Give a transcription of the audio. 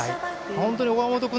本当に岡本君